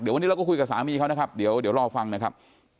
เดี๋ยววันนี้เราก็คุยกับสามีเขานะครับเดี๋ยวเดี๋ยวเราเอาฟังนะครับ